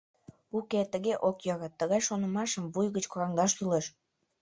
Уке, тыге ок йӧрӧ, тыгай шонымашым вуй гыч кораҥдаш кӱлеш!